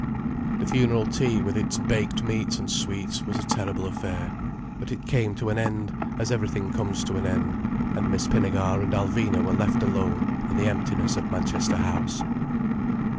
The funeral tea, with its baked meats and sweets, was a terrible affair. But it came to an end, as everything comes to an end, and Miss Pinnegar and Alvina were left alone in the emptiness of Manchester House.